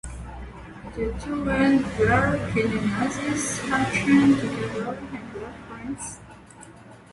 The two were genuine Nazis, had trained together and were friends.